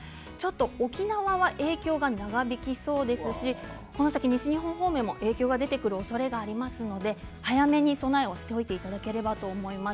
沖縄は長引きそうですしこの先、西日本方面も影響が出てくるおそれがありますので早めに備えをしておいていただければと思います。